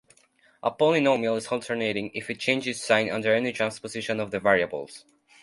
A polynomial is alternating if it changes sign under any transposition of the variables.